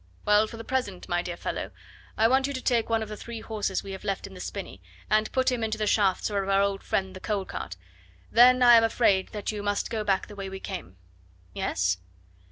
"Well, for the present, my dear fellow, I want you to take one of the three horses we have left in the spinney, and put him into the shafts of our old friend the coal cart; then I am afraid that you must go back the way we came." "Yes?"